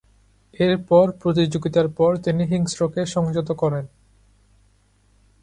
এরপর প্রতিযোগিতার পর তিনি হিংস্রকে সংযত করেন।